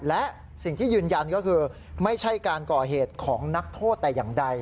และสิ่งที่ยืนยันก็คือไม่ใช่การก่อเหตุของนักโทษแต่อย่างใด